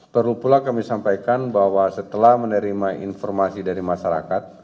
perlu pula kami sampaikan bahwa setelah menerima informasi dari masyarakat